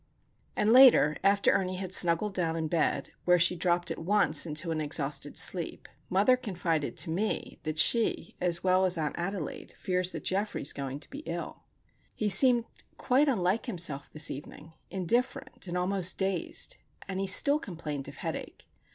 And later, after Ernie had snuggled down in bed, where she dropped at once into an exhausted sleep, mother confided to me that she, as well as Aunt Adelaide, fears that Geoffrey is going to be ill. He seemed quite unlike himself this evening—indifferent and almost dazed, and he still complained of headache.